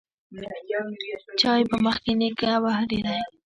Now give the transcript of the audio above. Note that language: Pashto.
چا يې په مخ کې نيکه وهلی و.